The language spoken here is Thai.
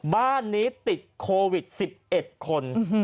บ้านนี้ติดโควิด๑๑คน